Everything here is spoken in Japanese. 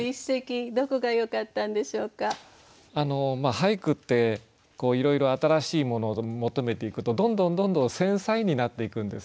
俳句っていろいろ新しいものを求めていくとどんどんどんどん繊細になっていくんですね。